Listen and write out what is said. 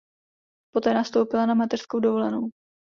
Poté nastoupila na mateřskou dovolenou.